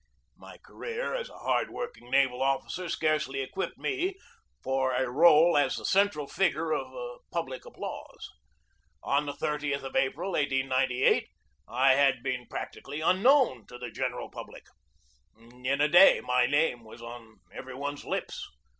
My career as a hard working naval officer scarcely equipped me for a role as the central figure of public applause. On the 3Oth of April, 1898, I had been practically unknown to the general public. In a day my name was on every one's lips.